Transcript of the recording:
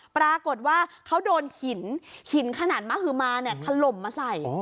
ปรากฏว่าเขาโดนหินหินขนาดมหือมาเนี่ยถล่มมาใส่